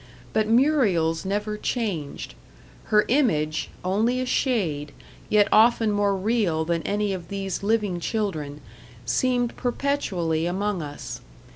But Muriel's never changed. Her image, only a shade, yet often more real than any of these living children, seemed perpetually among us.